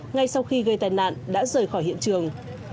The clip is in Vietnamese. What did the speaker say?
ngay sau khi gây tai nạn đã rời khỏi hiện trường